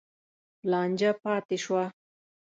لانجه پاتې شوه.